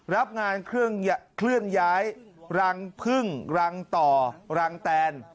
รับงานเคลื่อนย้ายรังพึ่งรังต่อรังแตน